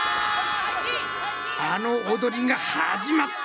あのおどりが始まった！